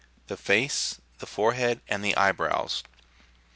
THE FACE, THE FOREHEAD, AND THE EYE BROWS.